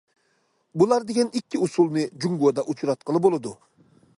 بۇلار دېگەن ئىككى ئۇسۇلنى جۇڭگودا ئۇچراتقىلى بولىدۇ.